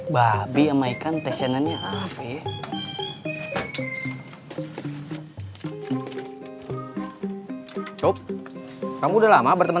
babi sama ikan teh senangnya apa ya